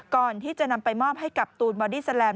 ก่อนที่จะนำไปมอบให้กับตูนบอดี้แลม